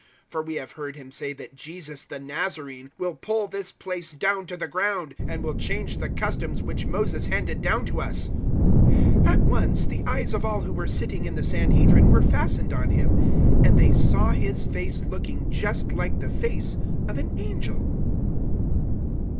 006:014 For we have heard him say that Jesus, the Nazarene, will pull this place down to the ground and will change the customs which Moses handed down to us." 006:015 At once the eyes of all who were sitting in the Sanhedrin were fastened on him, and they saw his face looking just like the face of an angel.